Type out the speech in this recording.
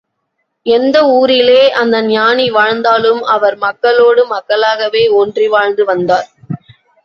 எந்த ஊரிலே அந்த ஞானி வாழ்ந்தாலும், அவர் மக்களோடு மக்களாகவே ஒன்றி வாழ்ந்து வந்தார்.